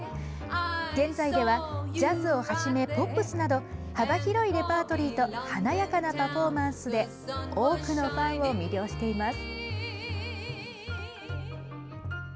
現在ではジャズをはじめポップスなど幅広いレパートリーと華やかなパフォーマンスで多くのファンを魅了しています。